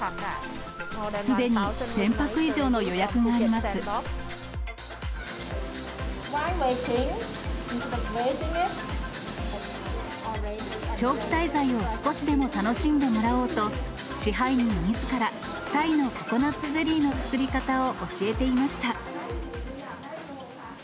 すでに１０００泊以上の予約があ長期滞在を少しでも楽しんでもらおうと、支配人みずから、タイのココナッツゼリーの作り方を教えていました。